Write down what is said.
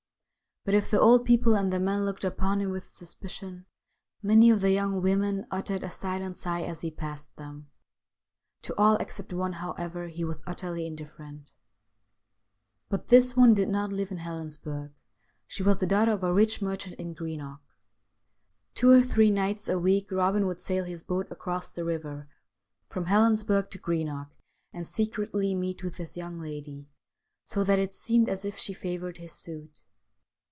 But if the old people and the men looked upon him with suspicion, many of the young women uttered a silent sigh as he passed them. To all except one, however, he was utterly indifferent. But this one did not live in Helensburgh. She was the daughter of a rich merchant in Greenock. Two or three nights a week Eobin would sail his boat across the river from Helensburgh to Greenock, and secretly meet this young lady, so that it seemed as if she favoured his suit.